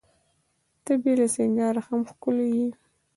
ته بې له سینګاره هم ښکلي یې.